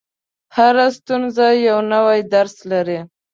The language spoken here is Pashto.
• هره ستونزه یو نوی درس لري.